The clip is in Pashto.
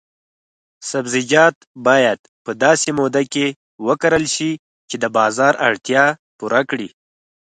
سبزیجات باید په داسې موده کې وکرل شي چې د بازار اړتیا پوره کړي.